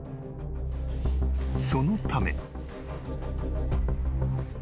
［そのため］